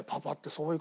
そうそう！